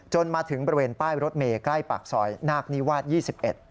มาถึงบริเวณป้ายรถเมย์ใกล้ปากซอยนาคนิวาส๒๑